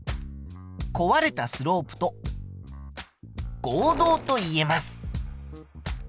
壊れたスロープと合同と言えます。